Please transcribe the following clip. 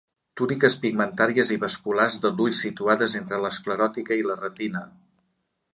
Túniques pigmentàries i vasculars de l'ull situades entre l'escleròtica i la retina.